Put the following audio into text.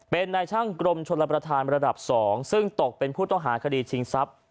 เป็นนายช่างกรมชนรับประทานระดับ๒ซึ่งตกเป็นผู้ต้องหาคดีชิงทรัพย์